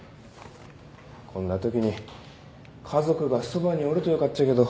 こんなときに家族がそばにおるとよかっちゃけど。